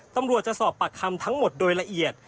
ตำรวจจะสอบปากคำทั้งหมดโดยละเอียด